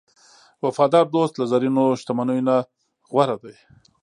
وفادار دوست له زرینو شتمنیو نه غوره دی.